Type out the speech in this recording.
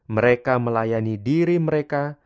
mereka melayani diri mereka